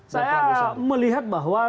saya melihat bahwa